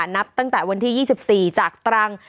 นับตั้งแต่วันที่๒๔จากตรัง